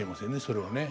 それはね。